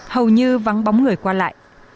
hầu như vắng bóng người qua lại